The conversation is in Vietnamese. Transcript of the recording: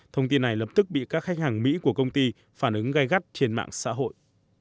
thông tin này lập tức bị các khách hàng mỹ của công ty phản ứng gai gắt trên mạng xã hội